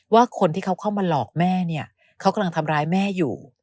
ว่าคนที่เขาเข้ามาหลอกแม่เนี่ยเขากำลังทำร้ายแม่อยู่